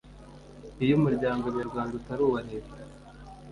Iyo umuryango nyarwanda utari uwa Leta